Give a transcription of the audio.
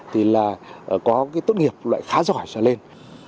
thì có tốt nghiệp khá giỏi cho lên